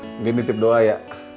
mungkin ditip doa ya